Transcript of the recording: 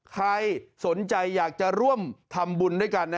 ใครสนใจอยากจะร่วมทำบุญด้วยกัน